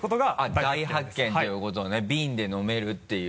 大発見っていうことねビンで飲めるっていう。